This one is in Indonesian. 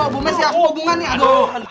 aduh bu mes siap hubungan nih aduh